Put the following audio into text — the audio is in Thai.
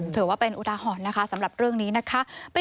ถือว่าเป็นอุทาหรณ์นะคะสำหรับเรื่องนี้นะคะ